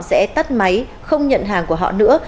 sẽ tắt máy không nhận hàng của họ nữa